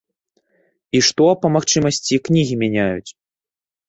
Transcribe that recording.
І што, па магчымасці, кнігі мяняюць.